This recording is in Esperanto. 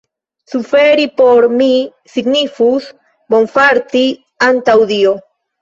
Suferi por mi signifus bonfarti antaŭ Dio.